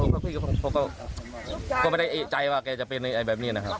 พี่ก็พ่อก็ไม่ได้ใจว่าแกจะเป็นอะไรแบบนี้นะครับ